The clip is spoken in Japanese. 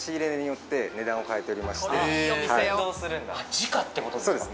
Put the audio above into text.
時価ってことですか